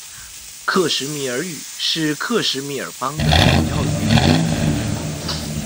克什米尔语是克什米尔邦的主要语言。